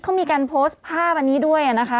เขามีการโพสต์ภาพอันนี้ด้วยนะคะ